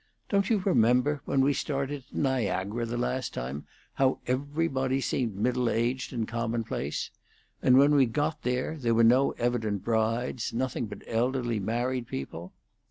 Don't you remember, when we started to Niagara the last time, how everybody seemed middle aged and commonplace; and when we got there there were no evident brides; nothing but elderly married people?"